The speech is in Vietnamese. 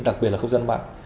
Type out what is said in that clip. đặc biệt là không gian mạng